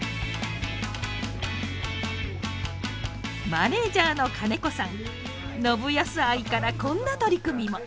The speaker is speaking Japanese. マネージャーの金子さん信康愛からこんな取り組みも。